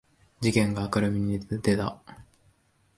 事件が明るみに出た